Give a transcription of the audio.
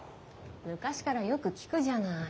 昔からよく聞くじゃない。